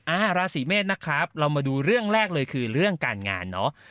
อ่าราศีเมษนะครับเรามาดูเรื่องแรกเลยคือเรื่องการงานเนอะ